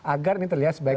agar ini terlihat sebagai